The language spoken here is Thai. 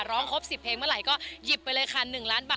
ร้องครบ๑๐เพลงเมื่อไหร่ก็หยิบไปเลยค่ะ๑ล้านบาท